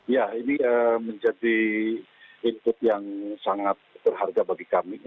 ya ini menjadi input yang sangat berharga bagi kami